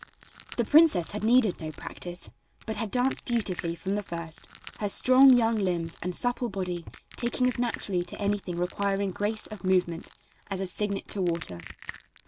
The princess had needed no practice, but had danced beautifully from the first, her strong young limbs and supple body taking as naturally to anything requiring grace of movement as a cygnet to water.